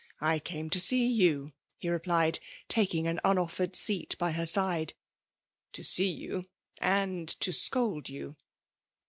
I came to see you,'' he replied, takiag* an unofiered seat by her side ;—^' to see ycm, and to scold you.